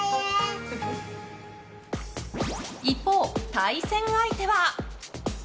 一方、対戦相手は。